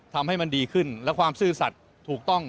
ทำให้มันดีขึ้นและความซื่อสัตว์ถูกต้อง